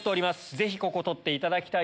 ぜひここ取っていただきたい。